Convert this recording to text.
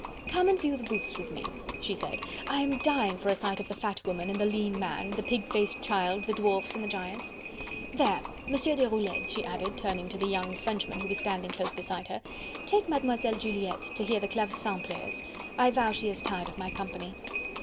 "Come and view the booths with me," she said. "I am dying for a sight of the fat woman and the lean man, the pig faced child, the dwarfs and the giants. There! Monsieur Deroulede," she added, turning to the young Frenchman who was standing close beside her, "take Mlle. Juliette to hear the clavecin players. I vow she is tired of my company."